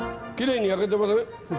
きれいに焼けてません？